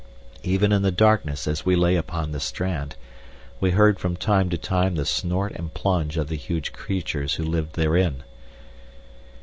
Even in the darkness as we lay upon the strand, we heard from time to time the snort and plunge of the huge creatures who lived therein.